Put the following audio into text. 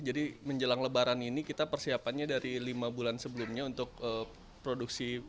jadi menjelang lebaran ini kita persiapannya dari lima bulan sebelumnya untuk produksi